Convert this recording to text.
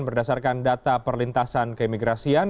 berdasarkan data perlintasan keimigrasian